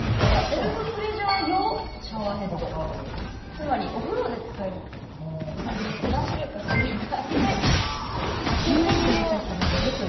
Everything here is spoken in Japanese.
つまりお風呂で使えるという感じで何種類か水流があって当てて気持ちよくなれるというものですね。